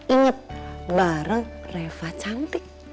ingat bareng reva cantik